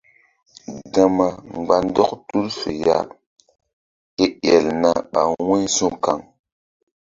Gama mgba ndɔk tul fe ya ke el na ɓa wu̧y su̧kaŋ.